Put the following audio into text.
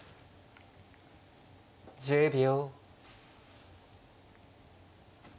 １０秒。